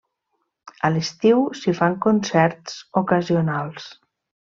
A l'estiu s'hi fan concerts ocasionals.